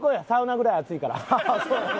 サウナぐらい暑いから。